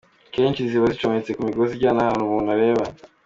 Akenshi ziba zicometse ku migozi ijyana ahantu umuntu areba.